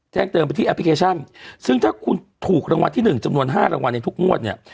แจ้งเติมไปที่แอปพลิเคชันซึ่งถ้าคุณถูกรางวัลที่๑จำนวน๕รางวัลในทุกงวดเนี่ย